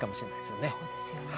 そうですよね。